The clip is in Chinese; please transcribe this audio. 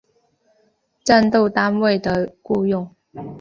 战斗单位的雇用。